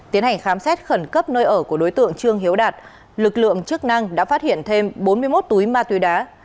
tiến hành khám xét khẩn cấp nơi ở của đối tượng trương hiếu đạt lực lượng chức năng đã phát hiện thêm bốn mươi một túi ma túy đá